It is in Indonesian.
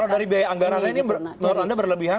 kalau dari biaya anggaran lain ini menurut anda berlebihan